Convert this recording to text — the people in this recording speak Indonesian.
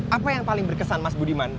apa yang paling berkesan mas budiman